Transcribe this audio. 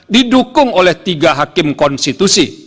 didukung oleh tiga hakim konstitusi